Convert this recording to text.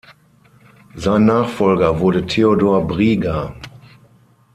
Sein Nachfolger wurde Theodor Brieger.